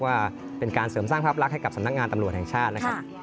ว่าเป็นการเสริมสร้างภาพลักษณ์ให้กับสำนักงานตำรวจแห่งชาตินะครับ